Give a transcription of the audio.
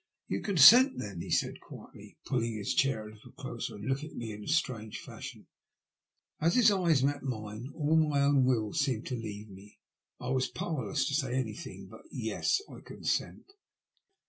You consent, then ?" he said quietly, pulling his chair a little closer, and looking at me in a strange fashion. As his eyes met mine all my own will seemed to leave me. I was powerless to say anything but "Tas, I consent."